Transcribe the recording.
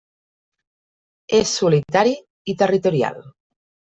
És solitari i territorial.